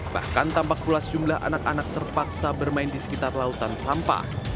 bahkan tampak pula sejumlah anak anak terpaksa bermain di sekitar lautan sampah